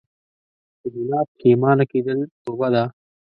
په ګناه پښیمانه کيدل توبه ده